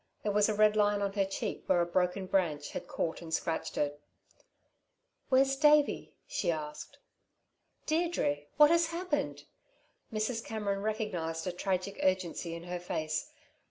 There was a red line on her cheek where a broken branch had caught and scratched it. "Where's Davey?" she asked. "Deirdre, what has happened?" Mrs. Cameron recognised a tragic urgency in her face.